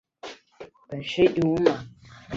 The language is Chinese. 本循环于罗马尼亚克拉约瓦举行。